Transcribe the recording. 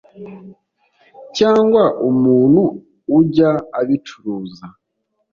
cyangwa umuntu ujya abicuruza